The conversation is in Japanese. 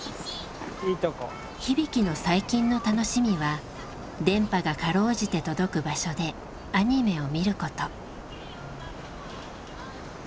日々貴の最近の楽しみは電波がかろうじて届く場所でアニメを見ること。